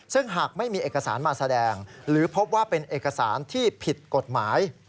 ซึ่งหากไม่มีเอกสารมาแสดงหรือพบว่าเป็นเอกสารที่ผิดกฎหมาย